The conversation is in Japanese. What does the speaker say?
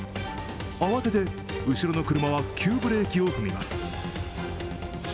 慌てて後ろの車は急ブレーキを踏みます。